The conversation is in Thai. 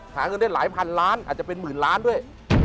หาเงินได้หลายพันล้านอาจจะเป็นหมื่นล้านด้วย